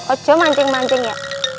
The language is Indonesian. ojo mancing mancing ya